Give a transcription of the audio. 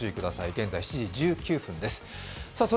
現在、７時１９分です。